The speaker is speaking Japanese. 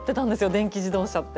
電気自動車って。